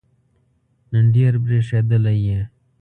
نن ډېر برېښېدلی یې